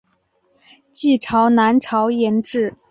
晋朝南朝沿置。